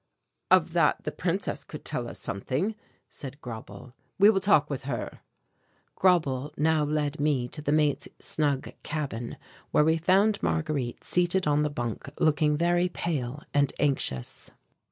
"Of that the Princess could tell us something," said Grauble. "We will talk with her." Grauble now led me to the mate's snug cabin, where we found Marguerite seated on the bunk, looking very pale and anxious.